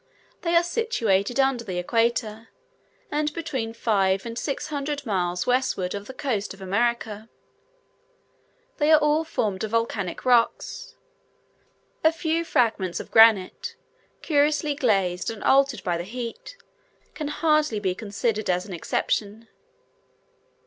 They are situated under the Equator, and between five and six hundred miles westward of the coast of America. They are all formed of volcanic rocks; a few fragments of granite curiously glazed and altered by the heat, can hardly be considered as an exception.